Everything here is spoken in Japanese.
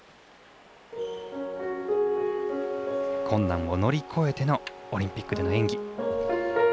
困難を乗り越えてのオリンピックでの演技。